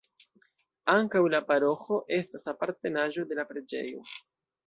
Ankaŭ la paroĥo estas apartenaĵo de la preĝejo.